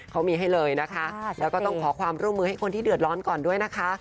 เขามีให้เลยนะคะแล้วก็ต้องขอความร่วมมือให้คนที่เดือดร้อนก่อนด้วยนะคะ